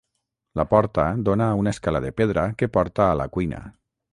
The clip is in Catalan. La porta dóna a una escala de pedra que porta a la cuina.